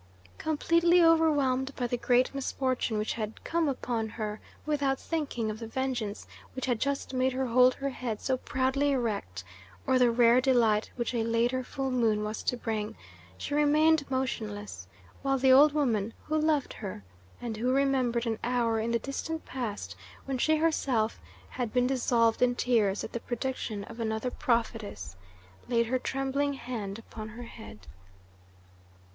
Completely overwhelmed by the great misfortune which had come upon her, without thinking of the vengeance which had just made her hold her head so proudly erect, or the rare delight which a later full moon was to bring, she remained motionless, while the old woman, who loved her and who remembered an hour in the distant past when she herself had been dissolved in tears at the prediction of another prophetess, laid her trembling hand upon her head.